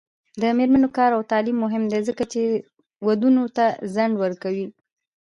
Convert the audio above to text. د میرمنو کار او تعلیم مهم دی ځکه چې ودونو ته ځنډ ورکوي.